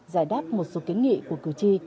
giải đáp một số kính nghị của cử tri